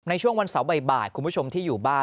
ในช่วงวันเสาร์บ่ายคุณผู้ชมที่อยู่บ้าน